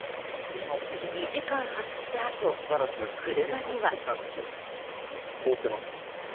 ２時間走ったあと、車には。凍ってます。